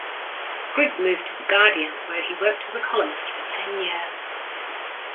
Grigg moved to "The Guardian", where he worked as a columnist for ten years.